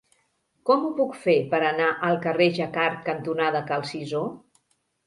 Com ho puc fer per anar al carrer Jacquard cantonada Cal Cisó?